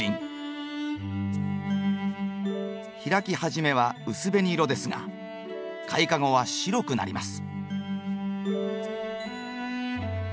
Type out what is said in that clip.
開きはじめは薄紅色ですが開花後は白くなります。